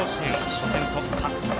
初戦突破。